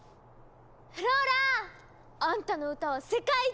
フローラ！あんたの歌は世界一！